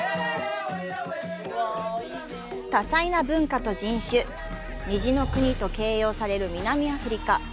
多彩な文化と人種「虹の国」と形容される南アフリカ。